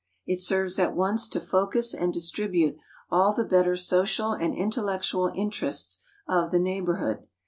It serves at once to focus and distribute all the better social and intellectual interests of the neighborhood.